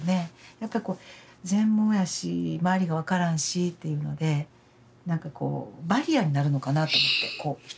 やっぱ全盲やし周りが分からんしっていうのでなんかこうバリアになるのかなと思って人がね。